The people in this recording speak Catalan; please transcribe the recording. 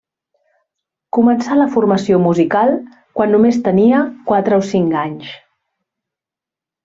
Començà la formació musical quan només tenia quatre o cinc anys.